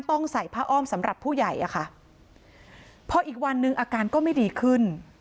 ต้องใส่ผ้าอ้อมสำหรับผู้ใหญ่อะค่ะพออีกวันหนึ่งอาการก็ไม่ดีขึ้น